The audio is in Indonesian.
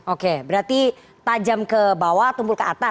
oke berarti tajam ke bawah tumpul ke atas